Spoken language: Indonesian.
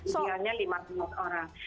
sebagiannya lima enam orang